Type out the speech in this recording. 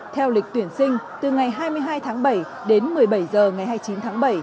theo lịch tuyển sinh từ ngày hai mươi hai tháng bảy đến một mươi bảy h ngày hai mươi chín tháng bảy